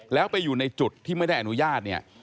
แล้วไปอยู่ในจุดที่ไม่ได้อนุญาตเนี่ย